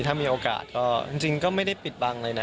ถ้ามีโอกาสก็จริงก็ไม่ได้ปิดบังอะไรนะ